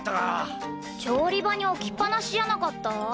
調理場に置きっぱなしじゃなかった？